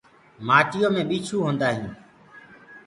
مآٽو مي ٻيڇو هوندآ هودآ هينٚ۔